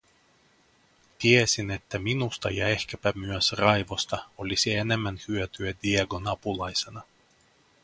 Tiesin, että minusta ja ehkäpä myös Raivosta olisi enemmän hyötyä Diegon apulaisena.